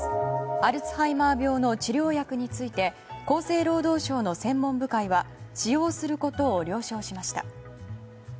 アルツハイマー病の治療薬について厚生労働省の専門部会は使用することを了承しました。